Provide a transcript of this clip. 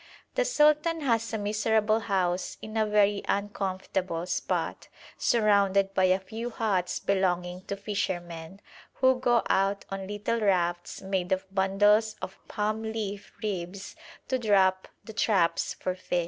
The sultan has a miserable house in a very uncomfortable spot, surrounded by a few huts belonging to fishermen, who go out on little rafts made of bundles of palm leaf ribs to drop the traps for fish.